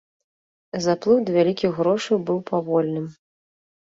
Заплыў да вялікіх грошай быў павольным.